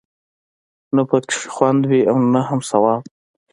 نه پکې خوند وي او نه هم ثواب.